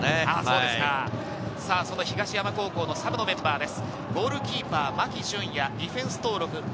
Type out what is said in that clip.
東山高校のサブのメンバーです。